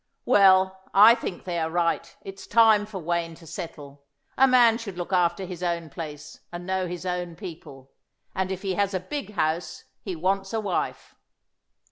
"Well, but I think they are right. It's time for Wayne to settle. A man should look after his own place and know his own people. And if he has a big house he wants a wife."